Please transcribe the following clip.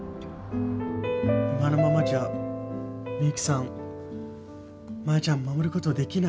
今のままじゃミユキさんマヤちゃん守ることできない。